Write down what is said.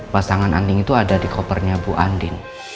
pasangan anting itu ada di kopernya bu andi